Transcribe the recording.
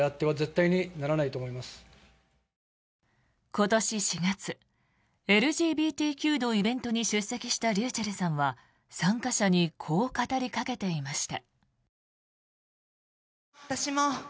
今年４月ＬＧＢＴＱのイベントに出席したｒｙｕｃｈｅｌｌさんは参加者にこう語りかけていました。